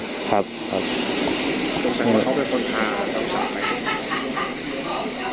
สงสัยว่าเขาเป็นคนทาต่างสาย